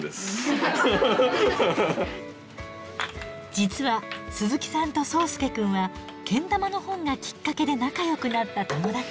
実は鈴木さんと想亮くんはけん玉の本がきっかけで仲よくなった友達。